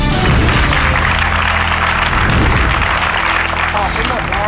ตัวเลือกที่หนึ่งสีม่วงครับ